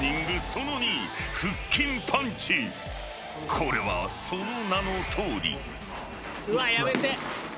［これはその名のとおり］